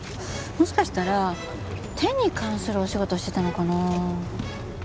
もしかしたら手に関するお仕事をしてたのかな？